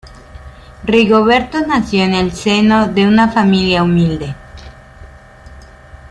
Rigoberto nació en el seno de una familia humilde.